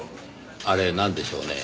あれなんでしょうねぇ？